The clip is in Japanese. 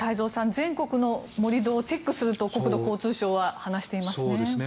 全国の盛り土をチェックすると国土交通省は話していますね。